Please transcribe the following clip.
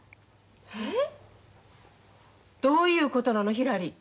えっ！？どういうことなのひらり。